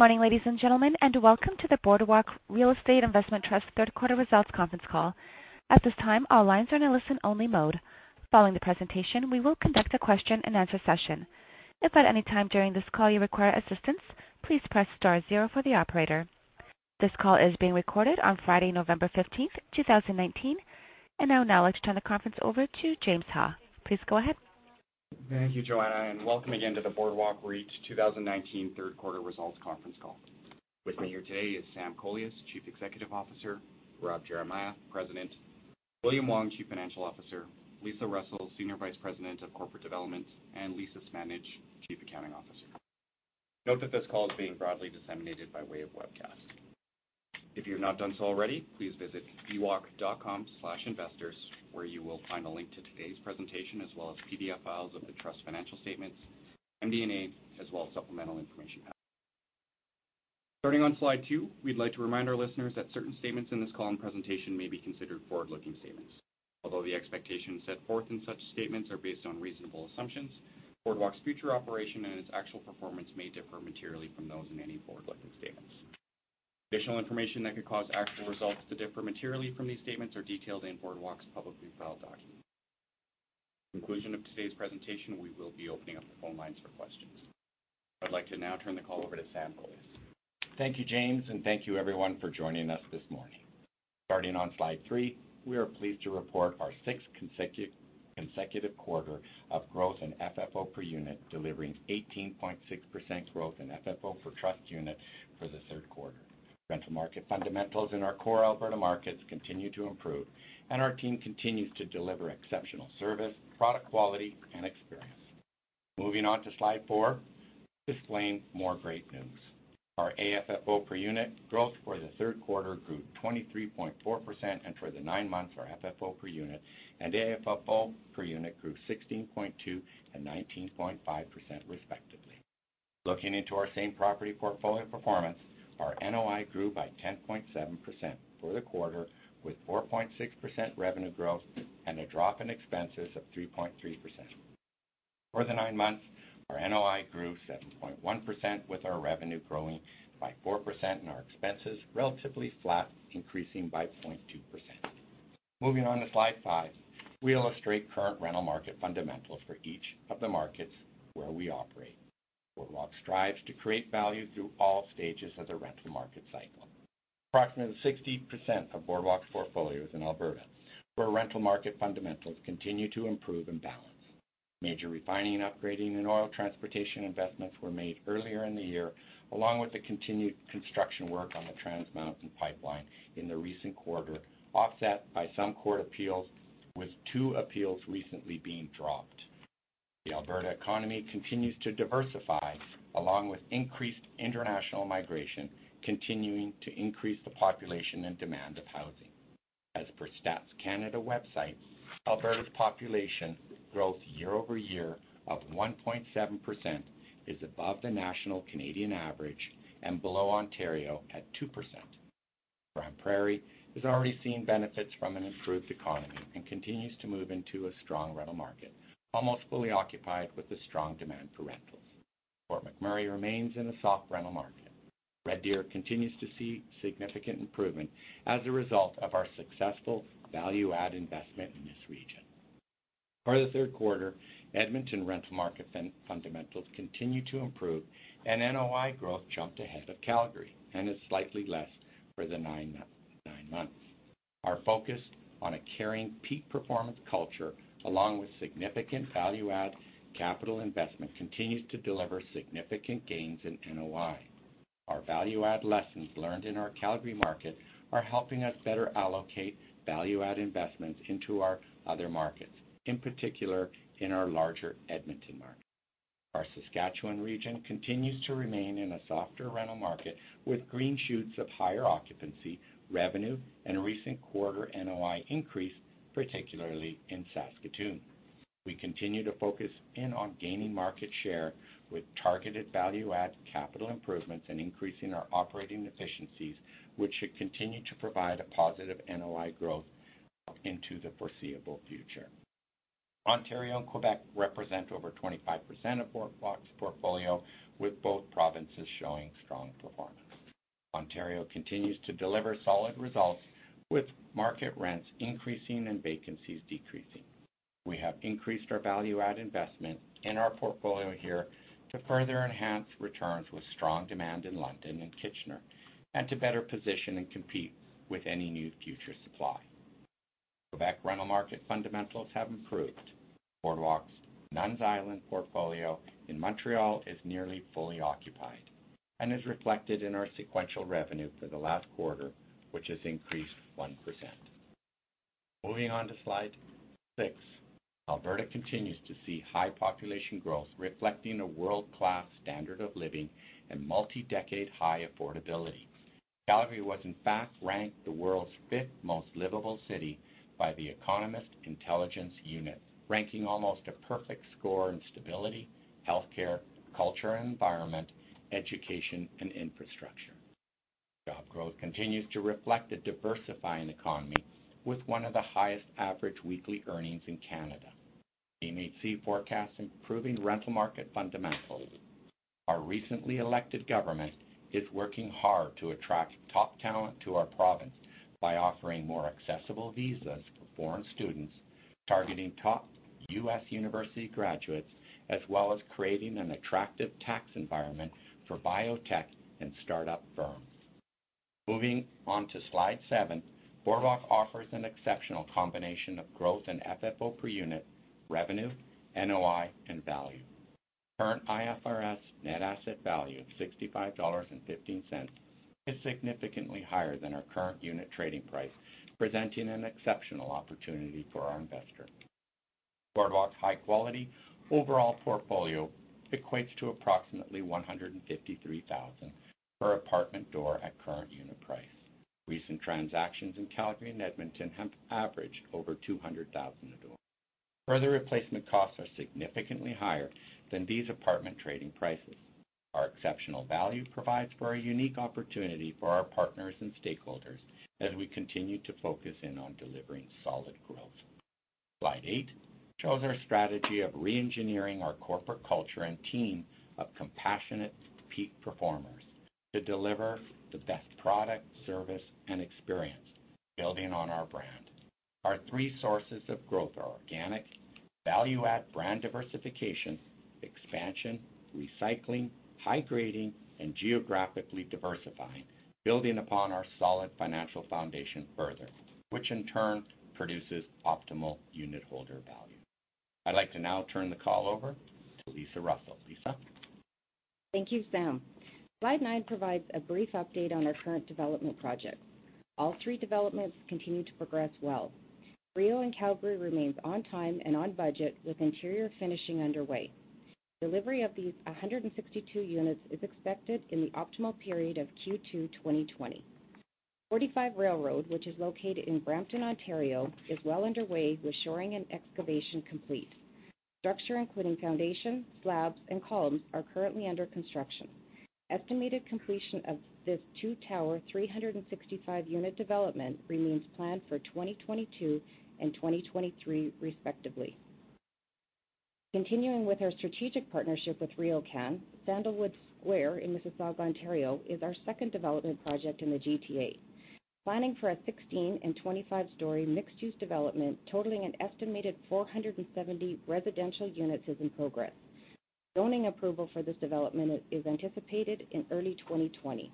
Good morning, ladies and gentlemen, and welcome to the Boardwalk Real Estate Investment Trust third quarter results conference call. At this time, all lines are in a listen-only mode. Following the presentation, we will conduct a question and answer session. If at any time during this call you require assistance, please press star zero for the operator. This call is being recorded on Friday, November 15th, 2019. Now I would like to turn the conference over to James Ha. Please go ahead. Thank you, Joanna, and welcome again to the Boardwalk REIT 2019 third quarter results conference call. With me here today is Sam Kolias, Chief Executive Officer, Rob Geremia, President, William Wong, Chief Financial Officer, Lisa Russell, Senior Vice President of Corporate Development, and Lisa Smandych, Chief Accounting Officer. Note that this call is being broadly disseminated by way of webcast. If you have not done so already, please visit bwalk.com/investors where you will find a link to today's presentation as well as PDF files of the Trust financial statements, MD&A, as well as supplemental information. Starting on slide two, we'd like to remind our listeners that certain statements in this call and presentation may be considered forward-looking statements. Although the expectations set forth in such statements are based on reasonable assumptions, Boardwalk's future operation and its actual performance may differ materially from those in any forward-looking statements. Additional information that could cause actual results to differ materially from these statements are detailed in Boardwalk's publicly filed documents. At the conclusion of today's presentation, we will be opening up the phone lines for questions. I'd like to now turn the call over to Sam Kolias. Thank you, James, and thank you everyone for joining us this morning. Starting on slide three, we are pleased to report our sixth consecutive quarter of growth in FFO per unit, delivering 18.6% growth in FFO for Trust Unit for the third quarter. Rental market fundamentals in our core Alberta markets continue to improve, and our team continues to deliver exceptional service, product quality, and experience. Moving on to slide four, this contains more great news. Our AFFO per unit growth for the third quarter grew 23.4%, and for the 9 months, our FFO per unit and AFFO per unit grew 16.2% and 19.5%, respectively. Looking into our same property portfolio performance, our NOI grew by 10.7% for the quarter, with 4.6% revenue growth and a drop in expenses of 3.3%. For the nine months, our NOI grew 7.1%, with our revenue growing by 4% and our expenses relatively flat, increasing by 0.2%. Moving on to slide five, we illustrate current rental market fundamentals for each of the markets where we operate. Boardwalk strives to create value through all stages of the rental market cycle. Approximately 60% of Boardwalk's portfolio is in Alberta, where rental market fundamentals continue to improve and balance. Major refining, upgrading, and oil transportation investments were made earlier in the year, along with the continued construction work on the Trans Mountain pipeline in the recent quarter, offset by some court appeals, with two appeals recently being dropped. The Alberta economy continues to diversify, along with increased international migration, continuing to increase the population and demand of housing. As per Statistics Canada website, Alberta's population growth year-over-year of 1.7% is above the national Canadian average and below Ontario at 2%. Grande Prairie has already seen benefits from an improved economy and continues to move into a strong rental market, almost fully occupied with the strong demand for rentals. Fort McMurray remains in a soft rental market. Red Deer continues to see significant improvement as a result of our successful value-add investment in this region. For the third quarter, Edmonton rental market fundamentals continue to improve, and NOI growth jumped ahead of Calgary and is slightly less for the nine months. Our focus on a caring, peak performance culture, along with significant value-add capital investment, continues to deliver significant gains in NOI. Our value-add lessons learned in our Calgary market are helping us better allocate value-add investments into our other markets, in particular in our larger Edmonton market. Our Saskatchewan region continues to remain in a softer rental market, with green shoots of higher occupancy, revenue, and recent quarter NOI increase, particularly in Saskatoon. We continue to focus in on gaining market share with targeted value-add capital improvements and increasing our operating efficiencies, which should continue to provide a positive NOI growth into the foreseeable future. Ontario and Quebec represent over 25% of Boardwalk's portfolio, with both provinces showing strong performance. Ontario continues to deliver solid results, with market rents increasing and vacancies decreasing. We have increased our value-add investment in our portfolio here to further enhance returns with strong demand in London and Kitchener and to better position and compete with any new future supply. Quebec rental market fundamentals have improved. Boardwalk's Nuns' Island portfolio in Montreal is nearly fully occupied and is reflected in our sequential revenue for the last quarter, which has increased 1%. Moving on to slide six. Alberta continues to see high population growth, reflecting a world-class standard of living and multi-decade high affordability. Calgary was in fact ranked the world's fifth most livable city by The Economist Intelligence Unit, ranking almost a perfect score in stability, healthcare, culture and environment, education, and infrastructure. Job growth continues to reflect a diversifying economy with one of the highest average weekly earnings in Canada. CMHC forecasts improving rental market fundamentals. Our recently elected government is working hard to attract top talent to our province by offering more accessible visas for foreign students, targeting top U.S. university graduates, as well as creating an attractive tax environment for biotech and startup firms. Moving on to slide seven, Boardwalk offers an exceptional combination of growth and FFO per unit, revenue, NOI, and value. Current IFRS net asset value of 65.15 dollars is significantly higher than our current unit trading price, presenting an exceptional opportunity for our investors. Boardwalk's high-quality overall portfolio equates to approximately 153,000 per apartment door at current unit price. Recent transactions in Calgary and Edmonton have averaged over 200,000 dollars a door. Replacement costs are significantly higher than these apartment trading prices. Our exceptional value provides for a unique opportunity for our partners and stakeholders as we continue to focus in on delivering solid growth. Slide eight shows our strategy of re-engineering our corporate culture and team of compassionate peak performers to deliver the best product, service, and experience, building on our brand. Our three sources of growth are organic, value-add brand diversification, expansion, recycling, high grading, and geographically diversifying, building upon our solid financial foundation further, which in turn produces optimal unitholder value. I'd like to now turn the call over to Lisa Russell. Lisa? Thank you, Sam. Slide nine provides a brief update on our current development projects. All three developments continue to progress well. Brio in Calgary remains on time and on budget, with interior finishing underway. Delivery of these 162 units is expected in the optimal period of Q2 2020. 45 Railroad, which is located in Brampton, Ontario, is well underway, with shoring and excavation complete. Structure, including foundation, slabs, and columns, are currently under construction. Estimated completion of this two-tower, 365-unit development remains planned for 2022 and 2023, respectively. Continuing with our strategic partnership with RioCan, Sandalwood Square in Mississauga, Ontario, is our second development project in the GTA. Planning for a 16 and 25-story mixed-use development totaling an estimated 470 residential units is in progress. Zoning approval for this development is anticipated in early 2020.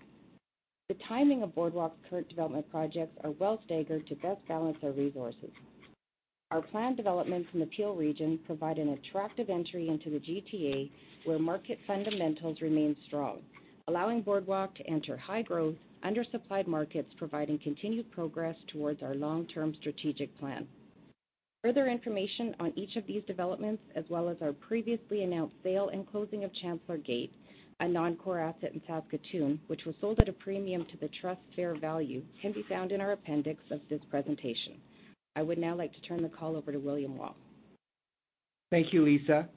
The timing of Boardwalk's current development projects are well-staggered to best balance our resources. Our planned developments in the Peel Region provide an attractive entry into the GTA, where market fundamentals remain strong, allowing Boardwalk to enter high-growth, undersupplied markets, providing continued progress towards our long-term strategic plan. Further information on each of these developments, as well as our previously announced sale and closing of Chancellor Gate, a non-core asset in Saskatoon, which was sold at a premium to the trust's fair value, can be found in our appendix of this presentation. I would now like to turn the call over to William Wong. Thank you, Lisa.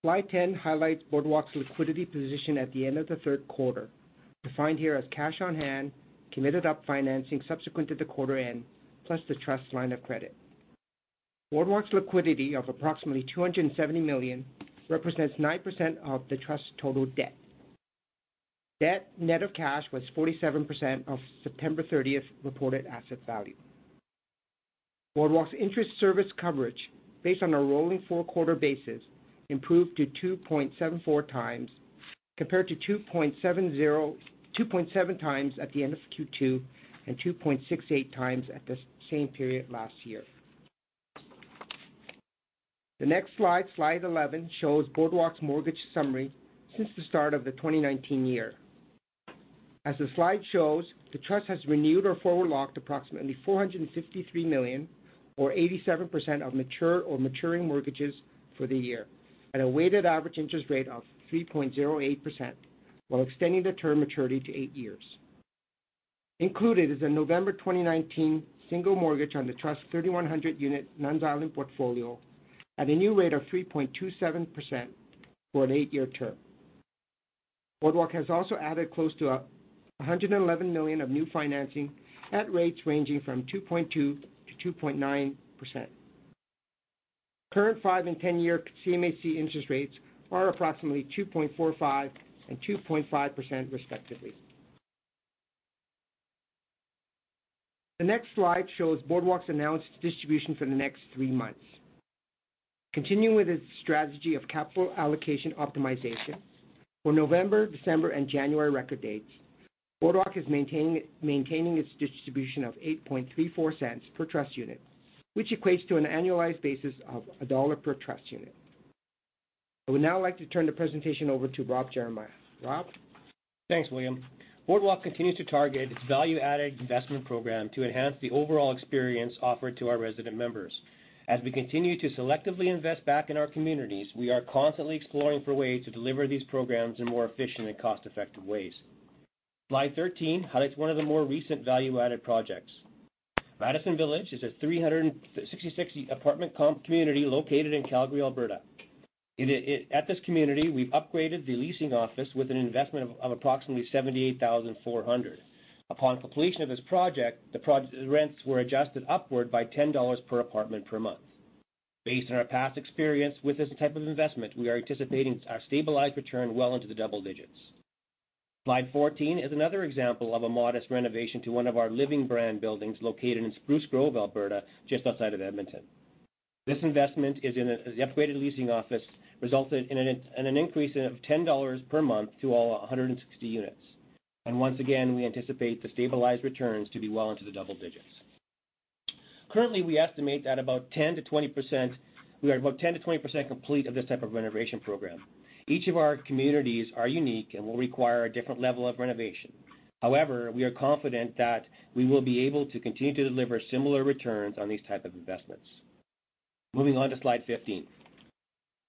Slide 10 highlights Boardwalk's liquidity position at the end of the third quarter, defined here as cash on hand, committed up financing subsequent to the quarter end, plus the trust's line of credit. Boardwalk's liquidity of approximately 270 million represents 9% of the trust's total debt. Debt net of cash was 47% of September 30th reported asset value. Boardwalk's interest service coverage, based on a rolling four-quarter basis, improved to 2.74 times, compared to 2.7 times at the end of Q2 and 2.68 times at the same period last year. The next slide 11, shows Boardwalk's mortgage summary since the start of the 2019 year. As the slide shows, the trust has renewed or forward-locked approximately 453 million or 87% of mature or maturing mortgages for the year at a weighted average interest rate of 3.08% while extending the term maturity to eight years. Included is a November 2019 single mortgage on the trust's 3,100-unit Nun's Island portfolio at a new rate of 3.27% for an 8-year term. Boardwalk has also added close to 111 million of new financing at rates ranging from 2.2%-2.9%. Current 5- and 10-year CMHC interest rates are approximately 2.45% and 2.5%, respectively. The next slide shows Boardwalk's announced distribution for the next three months. Continuing with its strategy of capital allocation optimization, for November, December, and January record dates, Boardwalk is maintaining its distribution of 0.0834 per trust unit. Which equates to an annualized basis of CAD 1.00 per trust unit. I would now like to turn the presentation over to Rob Geremia. Rob? Thanks, William. Boardwalk continues to target its value-added investment program to enhance the overall experience offered to our resident members. As we continue to selectively invest back in our communities, we are constantly exploring for ways to deliver these programs in more efficient and cost-effective ways. Slide 13 highlights one of the more recent value-added projects. Madison Village is a 366-apartment community located in Calgary, Alberta. At this community, we've upgraded the leasing office with an investment of approximately 78,400. Upon completion of this project, the rents were adjusted upward by 10 dollars per apartment per month. Based on our past experience with this type of investment, we are anticipating our stabilized return well into the double digits. Slide 14 is another example of a modest renovation to one of our Living brand buildings located in Spruce Grove, Alberta, just outside of Edmonton. This investment is in the upgraded leasing office, resulted in an increase of 10 dollars per month to all 160 units. Once again, we anticipate the stabilized returns to be well into the double digits. Currently, we estimate we are about 10%-20% complete of this type of renovation program. Each of our communities are unique and will require a different level of renovation. However, we are confident that we will be able to continue to deliver similar returns on these type of investments. Moving on to slide 15.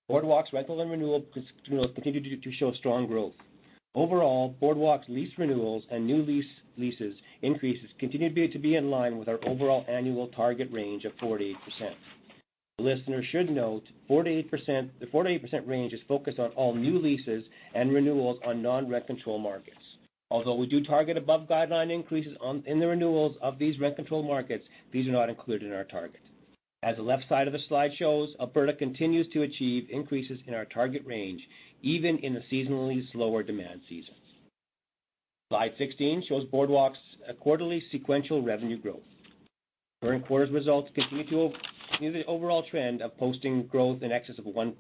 Boardwalk's rental and renewal continued to show strong growth. Overall, Boardwalk's lease renewals and new leases increases continue to be in line with our overall annual target range of 4%-8%. Listeners should note, the 4%-8% range is focused on all new leases and renewals on non-rent control markets. Although we do target above guideline increases in the renewals of these rent-controlled markets, these are not included in our target. As the left side of the slide shows, Alberta continues to achieve increases in our target range, even in the seasonally slower demand seasons. Slide 16 shows Boardwalk's quarterly sequential revenue growth. Current quarter's results continue the overall trend of posting growth in excess of 1%.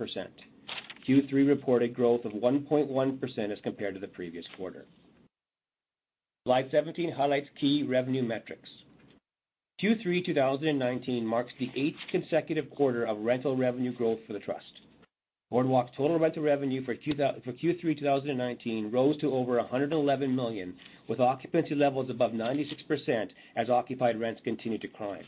Q3 reported growth of 1.1% as compared to the previous quarter. Slide 17 highlights key revenue metrics. Q3 2019 marks the eighth consecutive quarter of rental revenue growth for the trust. Boardwalk's total rental revenue for Q3 2019 rose to over 111 million, with occupancy levels above 96% as occupied rents continued to climb.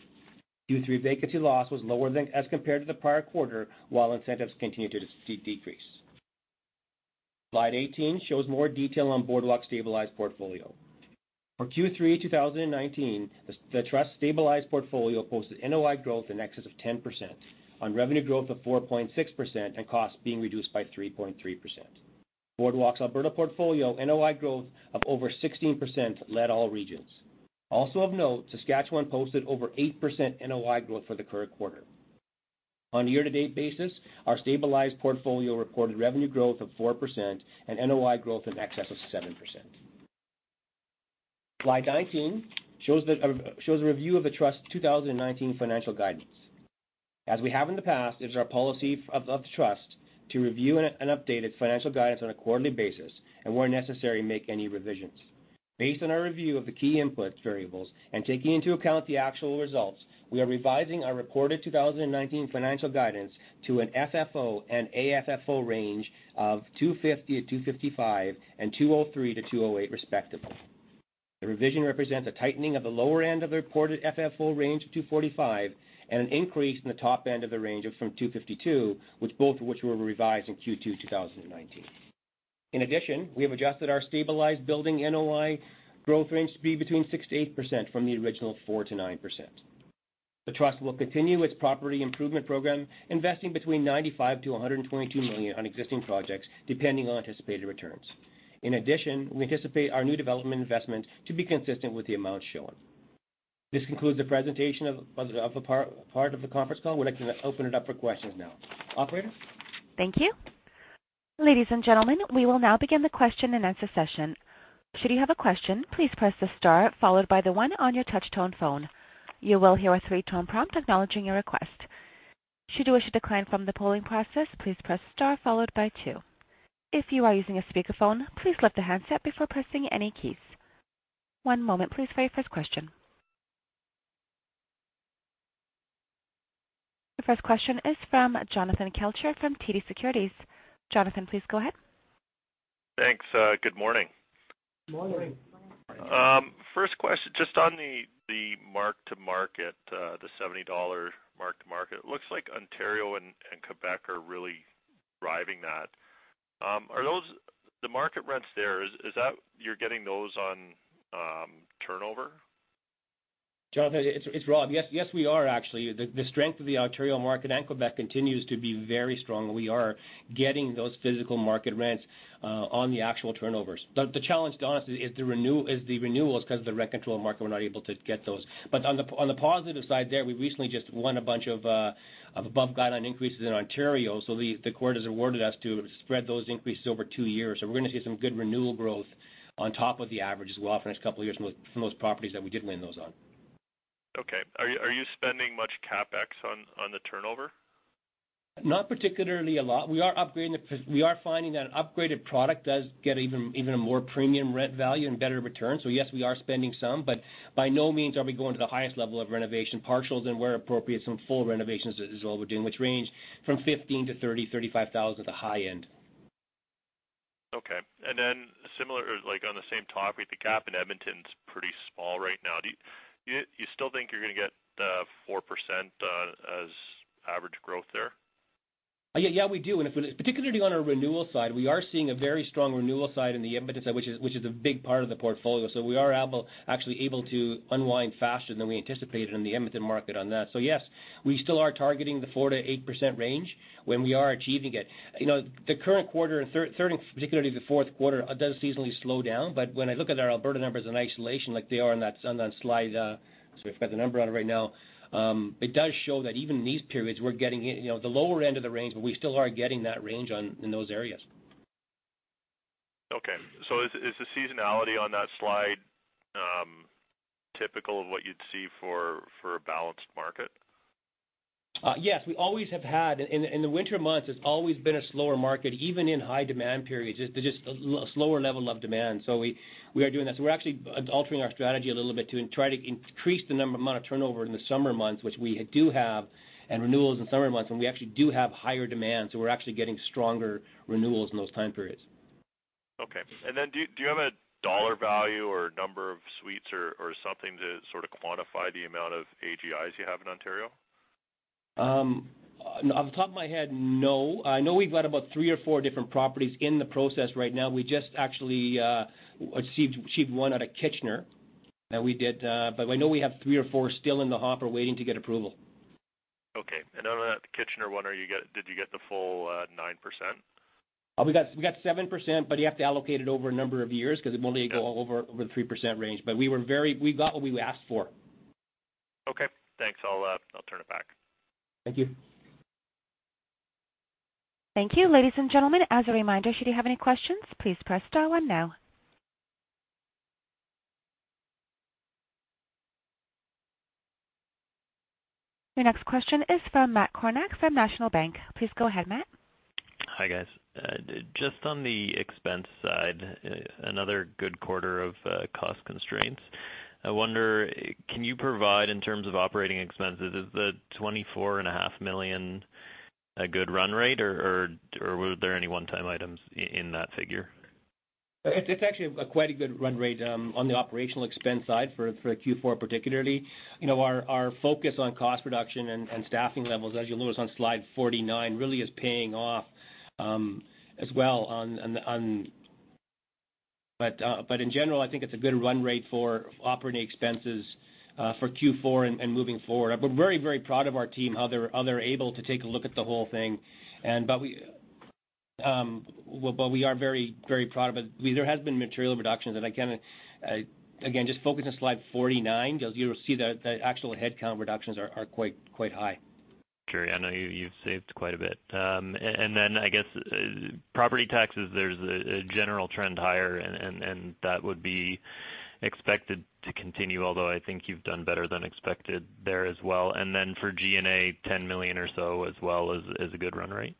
Q3 vacancy loss was lower as compared to the prior quarter, while incentives continued to decrease. Slide 18 shows more detail on Boardwalk's stabilized portfolio. For Q3 2019, the trust stabilized portfolio posted NOI growth in excess of 10% on revenue growth of 4.6% and costs being reduced by 3.3%. Boardwalk's Alberta portfolio NOI growth of over 16% led all regions. Also of note, Saskatchewan posted over 8% NOI growth for the current quarter. On a year-to-date basis, our stabilized portfolio reported revenue growth of 4% and NOI growth in excess of 7%. Slide 19 shows a review of the trust's 2019 financial guidance. As we have in the past, it is our policy of the trust to review and update its financial guidance on a quarterly basis, and where necessary, make any revisions. Based on our review of the key input variables and taking into account the actual results, we are revising our reported 2019 financial guidance to an FFO and AFFO range of 2.50-2.55, and 2.03-2.08 respectively. The revision represents a tightening of the lower end of the reported FFO range of 2.45, and an increase in the top end of the range from 252, both of which were revised in Q2 2019. In addition, we have adjusted our stabilized building NOI growth range to be between 6%-8% from the original 4%-9%. The trust will continue its property improvement program, investing between 95 million-122 million on existing projects, depending on anticipated returns. In addition, we anticipate our new development investments to be consistent with the amount shown. This concludes the presentation of the part of the conference call. We'd like to open it up for questions now. Operator? Thank you. Ladies and gentlemen, we will now begin the question-and-answer session. Should you have a question, please press the star followed by the one on your touch-tone phone. You will hear a three-tone prompt acknowledging your request. Should you wish to decline from the polling process, please press star followed by two. If you are using a speakerphone, please lift the handset before pressing any keys. One moment please for your first question. The first question is from Jonathan Kelcher from TD Securities. Jonathan, please go ahead. Thanks. Good morning. Morning. First question, just on the mark-to-market, the 70 dollar mark-to-market. Looks like Ontario and Quebec are really driving that. The market rents there, you're getting those on turnover? Jonathan, it's Rob. Yes, we are actually. The strength of the Ontario market and Quebec continues to be very strong. We are getting those physical market rents on the actual turnovers. The challenge to us is the renewals because the rent control market, we're not able to get those. On the positive side there, we recently just won a bunch of Above Guideline Increases in Ontario. The court has awarded us to spread those increases over two years. We're going to see some good renewal growth on top of the average as well for the next couple of years from those properties that we did win those on. Okay. Are you spending much CapEx on the turnover? Not particularly a lot. We are finding that an upgraded product does get even a more premium rent value and better return. Yes, we are spending some, but by no means are we going to the highest level of renovation. Partials and where appropriate, some full renovations is all we're doing, which range from 15,000 to 30,000, 35,000 at the high end. Okay. Similar, on the same topic, the cap in Edmonton's pretty small right now. Do you still think you're going to get 4% as? Yeah, we do. Particularly on our renewal side, we are seeing a very strong renewal side in the Edmonton side, which is a big part of the portfolio. We are actually able to unwind faster than we anticipated in the Edmonton market on that. Yes, we still are targeting the 4%-8% range when we are achieving it. The current quarter and particularly the fourth quarter, does seasonally slow down. When I look at our Alberta numbers in isolation like they are in that slide, so we've got the number on it right now, it does show that even in these periods, we're getting the lower end of the range, but we still are getting that range in those areas. Okay. Is the seasonality on that slide typical of what you'd see for a balanced market? Yes. We always have had. In the winter months, it's always been a slower market, even in high-demand periods, just a slower level of demand. We are doing that. We're actually altering our strategy a little bit to try to increase the amount of turnover in the summer months, which we do have, and renewals in summer months, when we actually do have higher demand. We're actually getting stronger renewals in those time periods. Okay. Do you have a CAD value or number of suites or something to sort of quantify the amount of AGIs you have in Ontario? Off the top of my head, no. I know we've got about three or four different properties in the process right now. We just actually achieved one out of Kitchener that we did. I know we have three or four still in the hopper waiting to get approval. Okay. Out of that Kitchener one, did you get the full 9%? We got 7%, but you have to allocate it over a number of years because it will only go over the 3% range. We got what we asked for. Okay, thanks. I'll turn it back. Thank you. Thank you. Ladies and gentlemen, as a reminder, should you have any questions, please press star 1 now. Your next question is from Matt Kornack from National Bank. Please go ahead, Matt. Hi, guys. Just on the expense side, another good quarter of cost constraints. I wonder, can you provide in terms of operating expenses, is the 24.5 million a good run rate, or were there any one-time items in that figure? It's actually quite a good run rate on the operational expense side for Q4 particularly. Our focus on cost reduction and staffing levels, as you'll notice on slide 49, really is paying off as well. In general, I think it's a good run rate for operating expenses for Q4 and moving forward. We're very proud of our team, how they're able to take a look at the whole thing. We are very proud of it. There has been material reductions, again, just focus on slide 49. You'll see the actual headcount reductions are quite high. Sure. I know you've saved quite a bit. I guess property taxes, there's a general trend higher, and that would be expected to continue, although I think you've done better than expected there as well. For G&A, 10 million or so as well is a good run rate?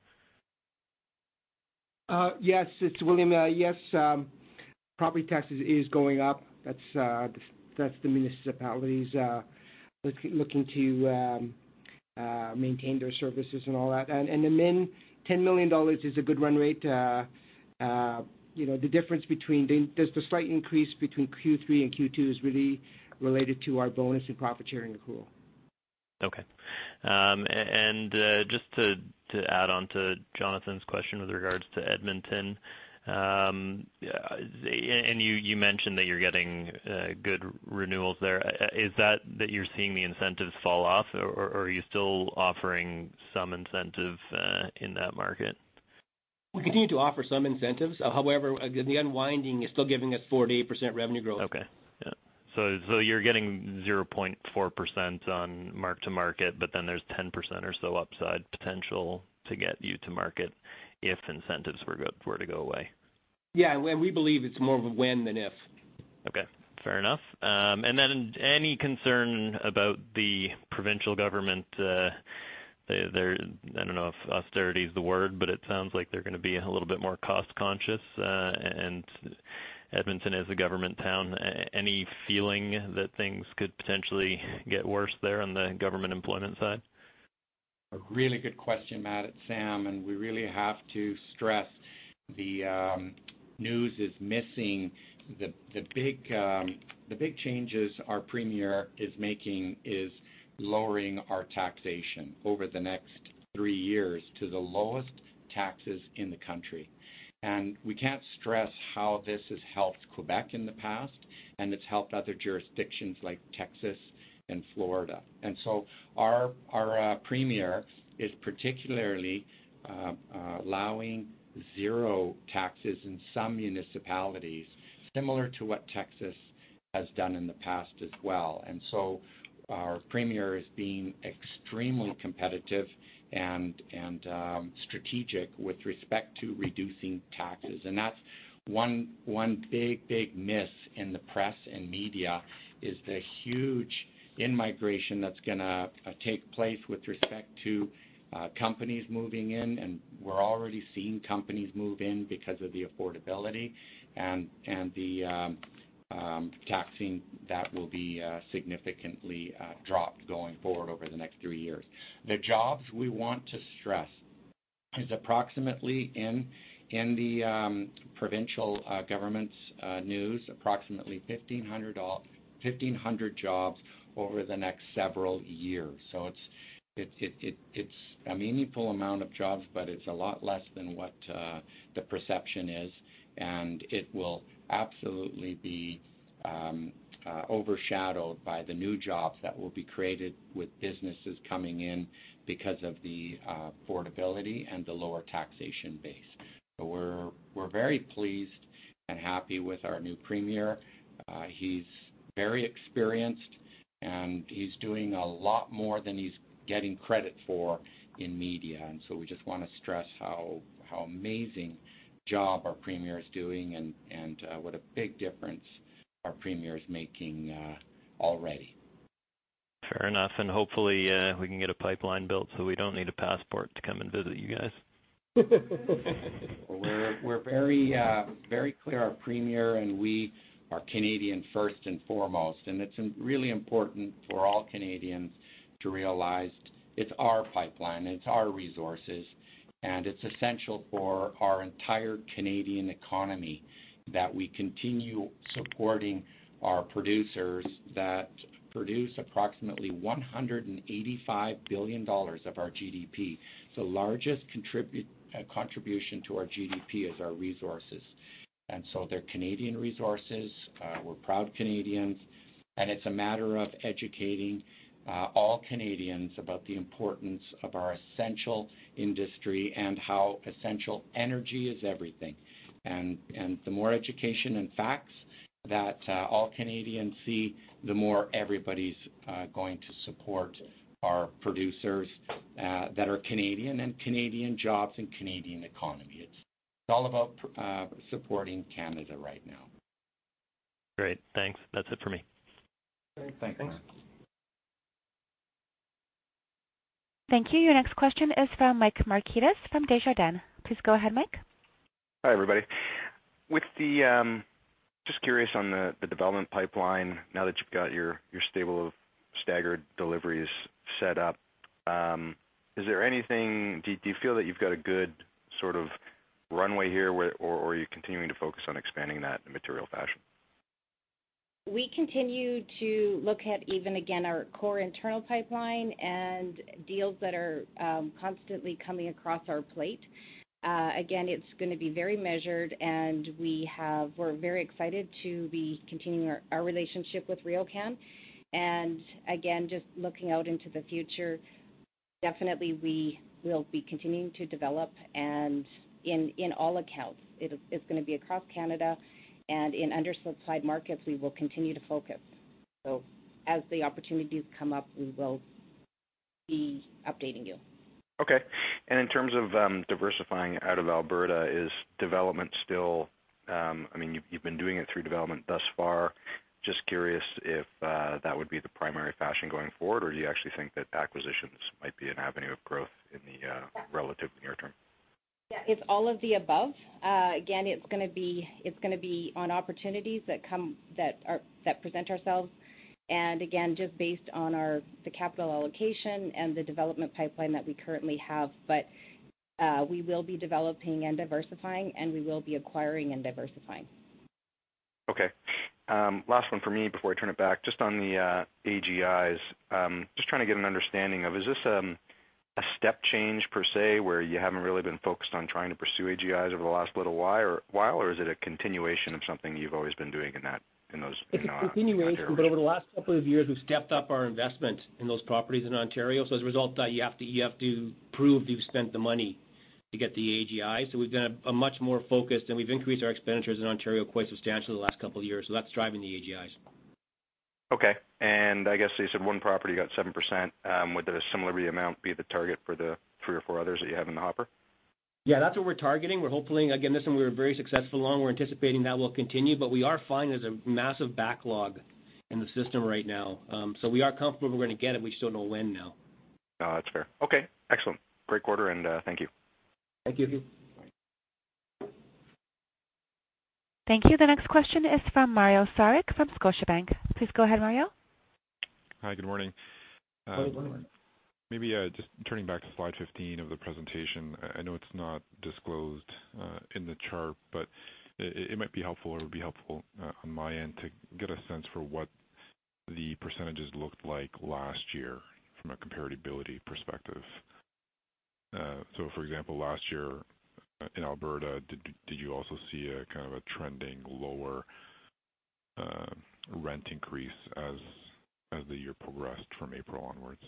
Yes. It's William. Yes, property taxes is going up. That's the municipalities looking to maintain their services and all that. The 10 million dollars is a good run rate. The slight increase between Q3 and Q2 is really related to our bonus and profit-sharing accrual. Okay. Just to add on to Jonathan's question with regards to Edmonton, and you mentioned that you're getting good renewals there. Is that you're seeing the incentives fall off, or are you still offering some incentive in that market? We continue to offer some incentives. However, the unwinding is still giving us 4%-8% revenue growth. Okay. Yeah. You're getting 0.4% on mark to market, there's 10% or so upside potential to get you to market if incentives were to go away. Yeah. We believe it's more of a when than if. Okay. Fair enough. Then any concern about the provincial government, I don't know if austerity is the word, but it sounds like they're going to be a little bit more cost-conscious, and Edmonton is a government town. Any feeling that things could potentially get worse there on the government employment side? A really good question, Matt Kornack. It's Sam Kolias, and we really have to stress the news is missing. The big changes our premier is making is lowering our taxation over the next three years to the lowest taxes in the country. We can't stress how this has helped Quebec in the past, and it's helped other jurisdictions like Texas and Florida. Our premier is particularly allowing zero taxes in some municipalities, similar to what Texas has done in the past as well. Our premier is being extremely competitive and strategic with respect to reducing taxes. That's one big miss in the press and media is the huge in-migration that's going to take place with respect to companies moving in, and we're already seeing companies move in because of the affordability. The taxing that will be significantly dropped going forward over the next three years. The jobs we want to stress. Is approximately in the provincial government's news, approximately 1,500 jobs over the next several years. It's a meaningful amount of jobs, but it's a lot less than what the perception is, and it will absolutely be overshadowed by the new jobs that will be created with businesses coming in because of the affordability and the lower taxation base. We're very pleased and happy with our new premier. He's very experienced, and he's doing a lot more than he's getting credit for in media. We just want to stress how amazing job our premier is doing and what a big difference our premier is making already. Fair enough. Hopefully, we can get a pipeline built, so we don't need a passport to come and visit you guys. We're very clear. Our premier and we are Canadian first and foremost, and it's really important for all Canadians to realize it's our pipeline, it's our resources, and it's essential for our entire Canadian economy that we continue supporting our producers that produce approximately 185 billion of our GDP. The largest contribution to our GDP is our resources. They're Canadian resources. We're proud Canadians, and it's a matter of educating all Canadians about the importance of our essential industry and how essential energy is everything. The more education and facts that all Canadians see, the more everybody's going to support our producers that are Canadian and Canadian jobs and Canadian economy. It's all about supporting Canada right now. Great. Thanks. That is it for me. Thanks. Thank you. Your next question is from Mike Markidis from Desjardins. Please go ahead, Mike. Hi, everybody. Just curious on the development pipeline, now that you've got your stable of staggered deliveries set up. Do you feel that you've got a good sort of runway here, or are you continuing to focus on expanding that in a material fashion? We continue to look at even again, our core internal pipeline and deals that are constantly coming across our plate. Again, it's going to be very measured, and we're very excited to be continuing our relationship with RioCan. Again, just looking out into the future, definitely we will be continuing to develop and in all accounts. It's going to be across Canada and in undersupplied markets, we will continue to focus. As the opportunities come up, we will be updating you. Okay. In terms of diversifying out of Alberta, you’ve been doing it through development thus far. Just curious if that would be the primary fashion going forward, or do you actually think that acquisitions might be an avenue of growth in the relative near term? Yeah. It's all of the above. Again, it's going to be on opportunities that present ourselves, and again, just based on the capital allocation and the development pipeline that we currently have. We will be developing and diversifying, and we will be acquiring and diversifying. Last one for me before I turn it back. Just on the AGIs. Just trying to get an understanding of, is this a step change per se, where you haven't really been focused on trying to pursue AGIs over the last little while, or is it a continuation of something you've always been doing in those in Ontario areas? It's a continuation. Over the last couple of years, we've stepped up our investment in those properties in Ontario. As a result, you have to prove you've spent the money to get the AGI. We've done a much more focused, and we've increased our expenditures in Ontario quite substantially the last couple of years. That's driving the AGIs. Okay. I guess you said one property got 7%. Would a similar amount be the target for the three or four others that you have in the hopper? Yeah, that's what we're targeting. This one we were very successful along. We're anticipating that will continue, we are finding there's a massive backlog in the system right now. We are comfortable we're going to get it. We just don't know when now. No, that's fair. Okay, excellent. Great quarter, and thank you. Thank you. Thank you. The next question is from Mario Saric from Scotiabank. Please go ahead, Mario. Hi, good morning. Good morning. Maybe just turning back to slide 15 of the presentation. I know it is not disclosed in the chart, but it might be helpful, or it would be helpful on my end to get a sense for what the percentages looked like last year from a comparability perspective. For example, last year in Alberta, did you also see a kind of a trending lower rent increase as the year progressed from April onwards?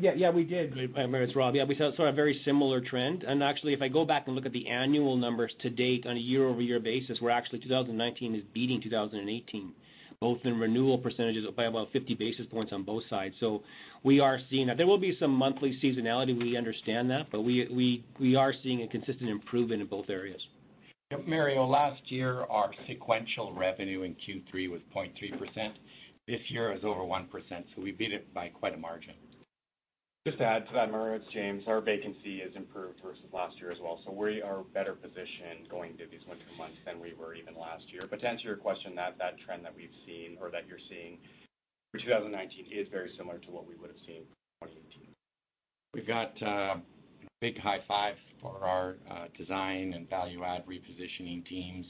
Yeah, we did. Hi, Mario. It's Rob. Yeah, we saw a very similar trend. Actually, if I go back and look at the annual numbers to date on a year-over-year basis, we're actually 2019 is beating 2018, both in renewal percentages by about 50 basis points on both sides. We are seeing that. There will be some monthly seasonality, we understand that, but we are seeing a consistent improvement in both areas. Yeah, Mario, last year, our sequential revenue in Q3 was 0.3%. This year is over 1%, so we beat it by quite a margin. Just to add to that, Mario, it's James. Our vacancy has improved versus last year as well. We are better positioned going into these winter months than we were even last year. To answer your question, that trend that we've seen or that you're seeing. For 2019 is very similar to what we would've seen quarter 2018. We've got a big high five for our design and value add repositioning teams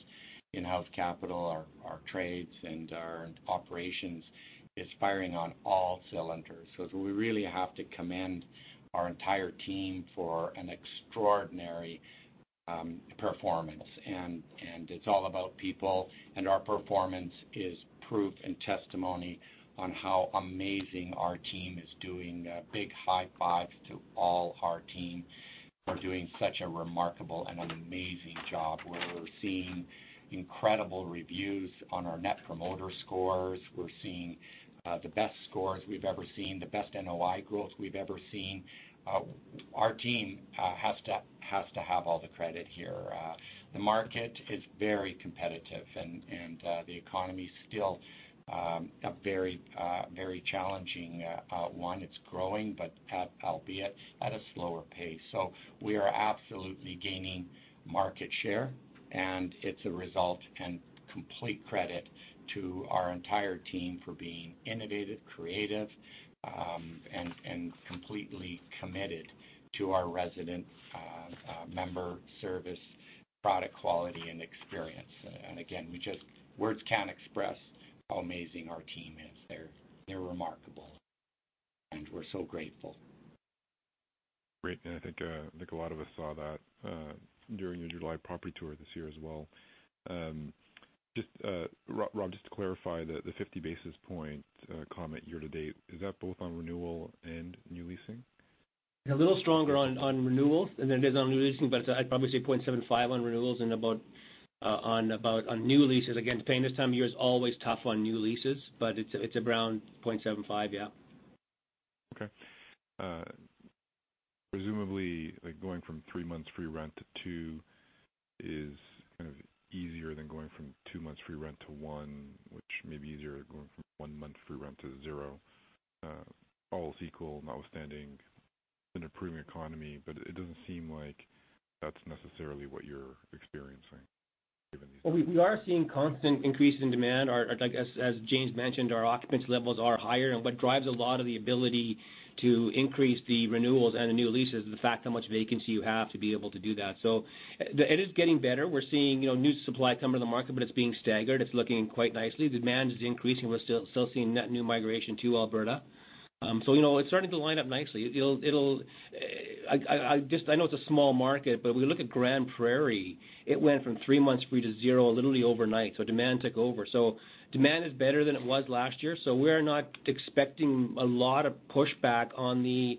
in house capital. Our trades and our operations is firing on all cylinders. We really have to commend our entire team for an extraordinary performance. It's all about people, and our performance is proof and testimony on how amazing our team is doing. Big high fives to all our team for doing such a remarkable and an amazing job. We're seeing incredible reviews on our Net Promoter Score. We're seeing the best scores we've ever seen, the best NOI growth we've ever seen. Our team has to have all the credit here. The market is very competitive and the economy's still a very challenging one. It's growing, albeit at a slower pace. We are absolutely gaining market share, and it's a result and complete credit to our entire team for being innovative, creative, and completely committed to our resident member service, product quality, and experience. Again, words can't express how amazing our team is. They're remarkable, and we're so grateful. Great. I think a lot of us saw that during your July property tour this year as well. Rob, just to clarify the 50 basis point comment year to date, is that both on renewal and new leasing? A little stronger on renewal, and then it is on new leasing, but I'd probably say 0.75 on renewals and about on new leases. Again, paying this time of year is always tough on new leases, but it's around 0.75, yeah. Okay. Presumably, going from three months free rent to two is kind of easier than going from two months free rent to one, which may be easier than going from one month free rent to zero. All is equal, notwithstanding an improving economy, but it doesn't seem like that's necessarily what you're experiencing given these numbers. Well, we are seeing constant increase in demand. As James mentioned, our occupants levels are higher. What drives a lot of the ability to increase the renewals and the new leases is the fact how much vacancy you have to be able to do that. It is getting better. We're seeing new supply come to the market. It's being staggered. It's looking quite nicely. Demand is increasing. We're still seeing net new migration to Alberta. It's starting to line up nicely. I know it's a small market. When we look at Grande Prairie, it went from three months free to zero literally overnight. Demand took over. Demand is better than it was last year, so we are not expecting a lot of pushback on the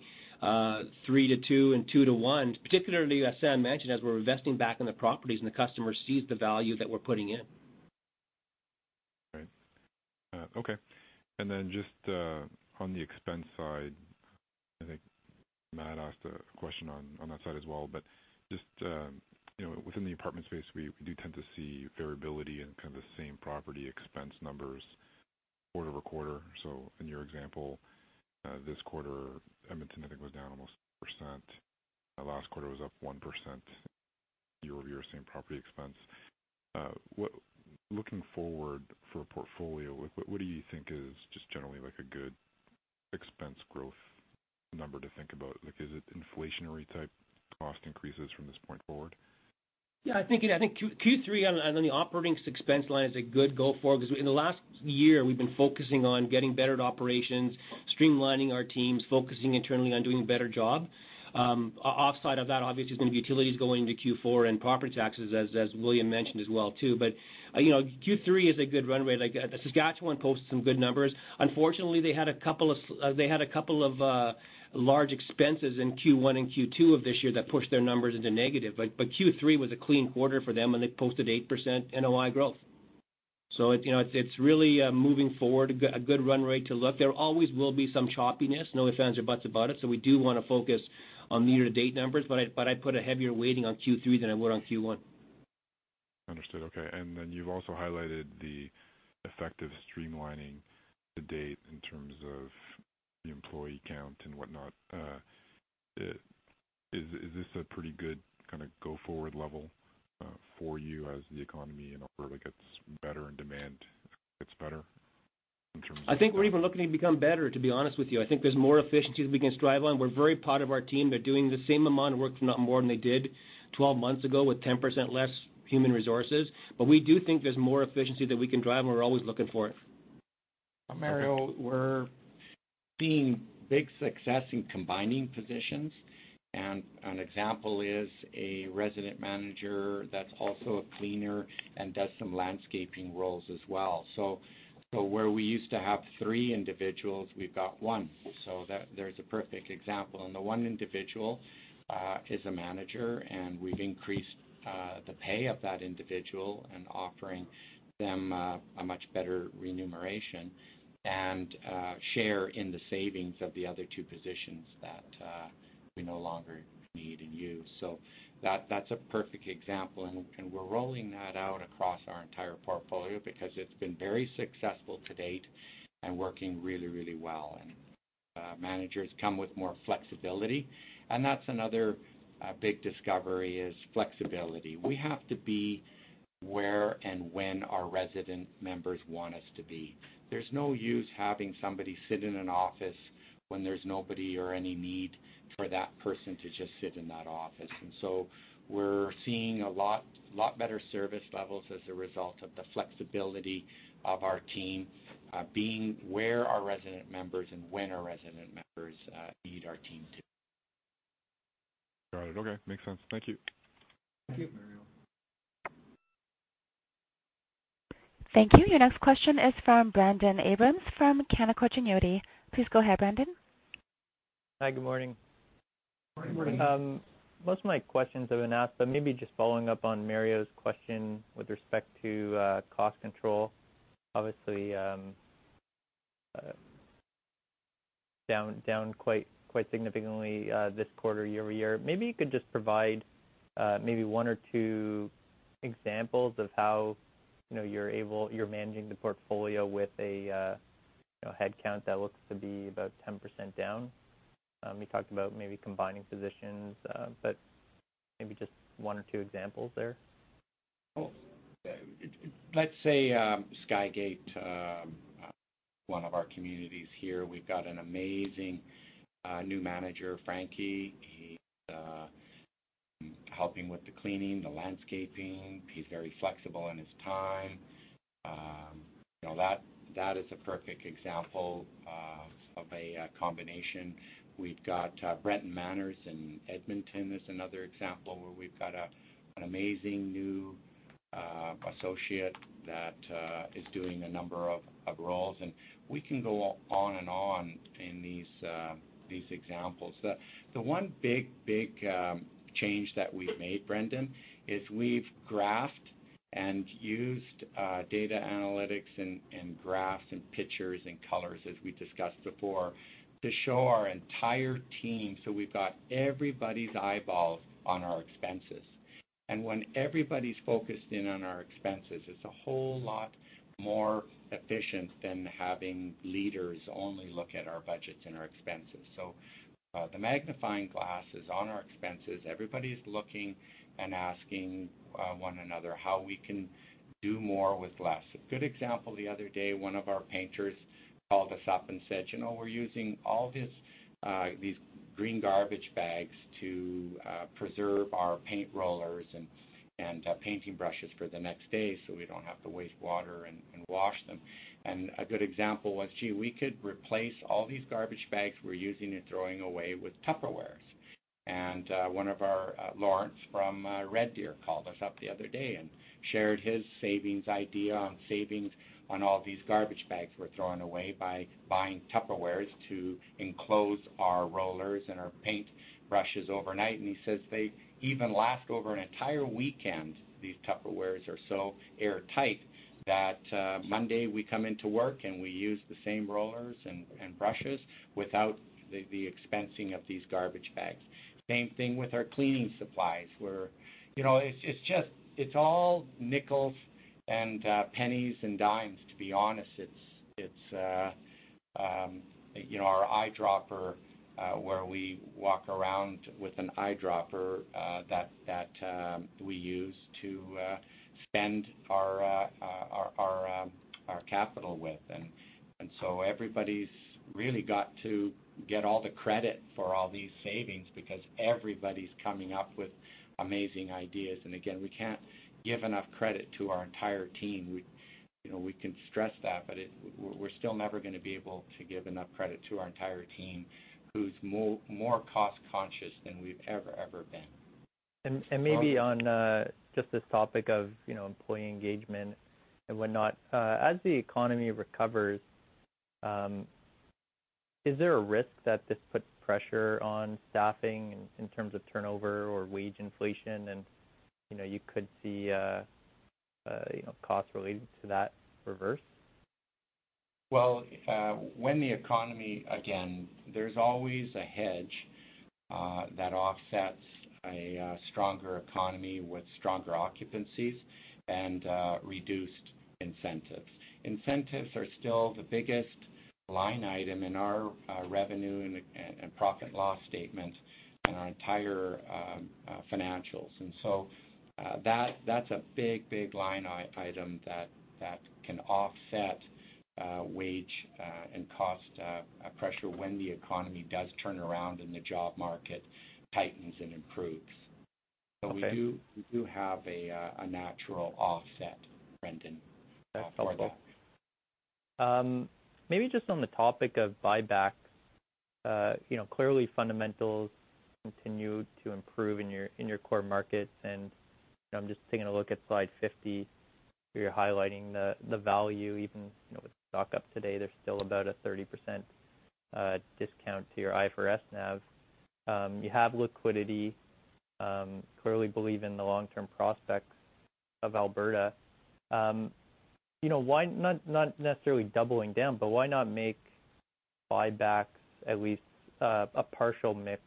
three to two and two to one, particularly, as Sam mentioned, as we're investing back in the properties and the customer sees the value that we're putting in. Right. Okay. Then just on the expense side, I think Matt asked a question on that side as well, but just within the apartment space, we do tend to see variability in the same property expense numbers quarter-over-quarter. In your example, this quarter, Edmonton, I think, was down almost 2%. Last quarter was up 1% year-over-year, same property expense. Looking forward for a portfolio, what do you think is just generally a good expense growth number to think about? Is it inflationary type cost increases from this point forward? I think Q3 on the operating expense line is a good go-forward because in the last year, we've been focusing on getting better at operations, streamlining our teams, focusing internally on doing a better job. Outside of that, obviously, is going to be utilities going into Q4 and property taxes as William mentioned as well too. Q3 is a good runway. Saskatchewan posted some good numbers. Unfortunately, they had a couple of large expenses in Q1 and Q2 of this year that pushed their numbers into negative. Q3 was a clean quarter for them, and they posted 8% NOI growth. It's really moving forward, a good runway to look. There always will be some choppiness, no ifs, ands, or buts about it. We do want to focus on year-to-date numbers, but I'd put a heavier weighting on Q3 than I would on Q1. Understood. Okay. You've also highlighted the effect of streamlining to date in terms of the employee count and whatnot. Is this a pretty good kind of go forward level for you as the economy in Alberta gets better and demand gets better in terms of? I think we're even looking to become better, to be honest with you. I think there's more efficiency that we can strive on. We're very proud of our team. They're doing the same amount of work, if not more than they did 12 months ago with 10% less human resources. We do think there's more efficiency that we can drive, and we're always looking for it. Mario, we're seeing big success in combining positions, and an example is a resident manager that's also a cleaner and does some landscaping roles as well. Where we used to have three individuals, we've got one. That there's a perfect example. The one individual is a manager, and we've increased the pay of that individual and offering them a much better remuneration and share in the savings of the other two positions that we no longer need and use. That's a perfect example, and we're rolling that out across our entire portfolio because it's been very successful to date and working really, really well. Managers come with more flexibility. That's another big discovery is flexibility. We have to be where and when our resident members want us to be. There's no use having somebody sit in an office when there's nobody or any need for that person to just sit in that office. We're seeing a lot better service levels as a result of the flexibility of our team, being where our resident members and when our resident members need our team to. Got it. Okay. Makes sense. Thank you. Thank you, Mario. Thank you. Your next question is from Brendon Abrams from Canaccord Genuity. Please go ahead, Brendon. Hi. Good morning. Morning. Most of my questions have been asked. Maybe just following up on Mario's question with respect to cost control, obviously, down quite significantly this quarter, year-over-year. Maybe you could just provide one or two examples of how you're managing the portfolio with a headcount that looks to be about 10% down? You talked about maybe combining positions. Maybe just one or two examples there? Oh. Let's say Skygate, one of our communities here, we've got an amazing new manager, Frankie. He's helping with the cleaning, the landscaping. He's very flexible in his time. That is a perfect example of a combination. We've got Breton Manor in Edmonton is another example where we've got an amazing new associate that is doing a number of roles, and we can go on and on in these examples. The one big change that we've made, Brendon, is we've graphed and used data analytics and graphs and pictures and colors as we discussed before, to show our entire team. We've got everybody's eyeballs on our expenses. When everybody's focused in on our expenses, it's a whole lot more efficient than having leaders only look at our budgets and our expenses. The magnifying glass is on our expenses. Everybody's looking and asking one another how we can do more with less. A good example, the other day, one of our painters called us up and said, "We're using all these green garbage bags to preserve our paint rollers and painting brushes for the next day so we don't have to waste water and wash them." A good example was, gee, we could replace all these garbage bags we're using and throwing away with Tupperware. Lawrence from Red Deer called us up the other day and shared his savings idea on savings on all these garbage bags we're throwing away by buying Tupperware to enclose our rollers and our paint brushes overnight. He says they even last over an entire weekend, these Tupperwares are so airtight that Monday we come into work, and we use the same rollers and brushes without the expensing of these garbage bags. Same thing with our cleaning supplies, where it's all nickels and pennies and dimes, to be honest. Our eyedropper where we walk around with an eyedropper, that we use to spend our capital with. Everybody's really got to get all the credit for all these savings because everybody's coming up with amazing ideas. Again, we can't give enough credit to our entire team. We can stress that, but we're still never going to be able to give enough credit to our entire team, who's more cost-conscious than we've ever been. Maybe on just this topic of employee engagement and whatnot. As the economy recovers, is there a risk that this puts pressure on staffing in terms of turnover or wage inflation, and you could see costs related to that reverse? Well, when the economy, again, there's always a hedge that offsets a stronger economy with stronger occupancies and reduced incentives. Incentives are still the biggest line item in our revenue and profit loss statements in our entire financials. That's a big line item that can offset wage and cost pressure when the economy does turn around and the job market tightens and improves. Okay. We do have a natural offset, Brendon, for that. That's helpful. Maybe just on the topic of buyback. Clearly fundamentals continue to improve in your core markets. I'm just taking a look at slide 50 where you're highlighting the value even, with stock up today, there's still about a 30% discount to your IFRS NAV. You have liquidity, clearly believe in the long-term prospects of Alberta. Not necessarily doubling down, but why not make buybacks at least a partial mix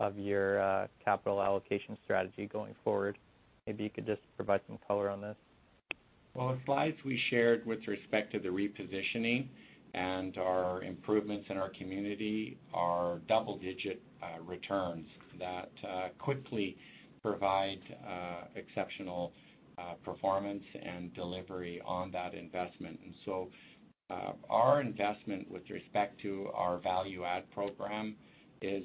of your capital allocation strategy going forward? Maybe you could just provide some color on this. Well, the slides we shared with respect to the repositioning and our improvements in our community are double-digit returns that quickly provide exceptional performance and delivery on that investment. Our investment with respect to our value add program is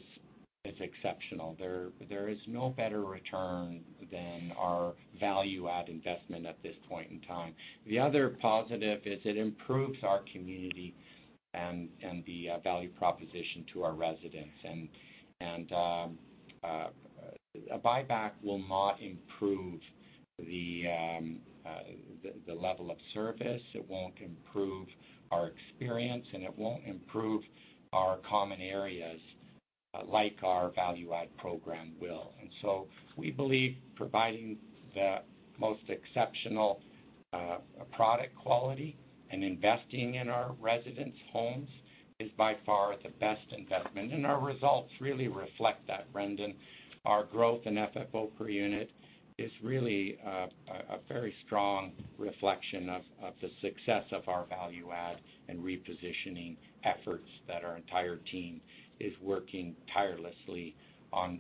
exceptional. There is no better return than our value add investment at this point in time. The other positive is it improves our community and the value proposition to our residents. A buyback will not improve the level of service, it won't improve our experience, and it won't improve our common areas like our value add program will. We believe providing the most exceptional product quality and investing in our residents' homes is by far the best investment, and our results really reflect that, Brendon. Our growth in FFO per unit is really a very strong reflection of the success of our value add and repositioning efforts that our entire team is working tirelessly on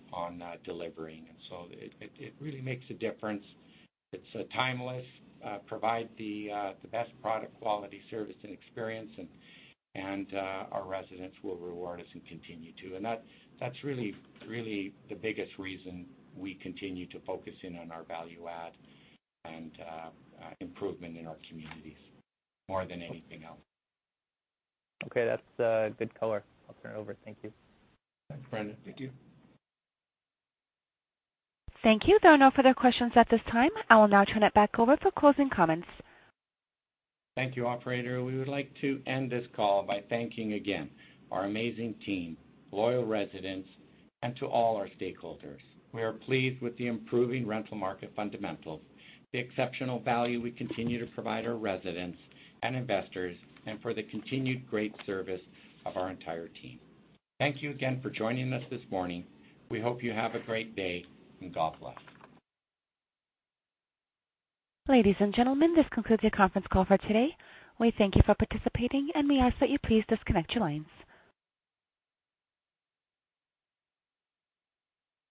delivering. It really makes a difference. It's timeless, provides the best product quality, service, and experience, and our residents will reward us and continue to. That's really the biggest reason we continue to focus in on our value add and improvement in our communities more than anything else. Okay. That's good color. I'll turn it over. Thank you. Thanks, Brendon. Thank you. Thank you. There are no further questions at this time. I will now turn it back over for closing comments. Thank you, operator. We would like to end this call by thanking again our amazing team, loyal residents, and to all our stakeholders. We are pleased with the improving rental market fundamentals, the exceptional value we continue to provide our residents and investors, and for the continued great service of our entire team. Thank you again for joining us this morning. We hope you have a great day, and God bless. Ladies and gentlemen, this concludes your conference call for today. We thank you for participating, and we ask that you please disconnect your lines.